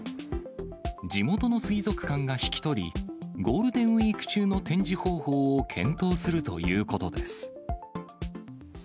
地元の水族館が引き取り、ゴールデンウィーク中の展示方法を検討するということです。